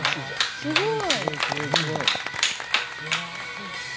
すごい！